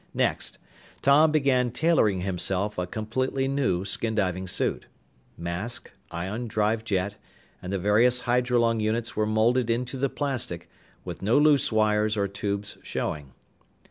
Next, Tom began tailoring himself a completely new skin diving suit. Mask, ion drive jet, and the various hydrolung units were molded into the plastic, with no loose wires or tubes showing.